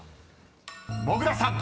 ［もぐらさん］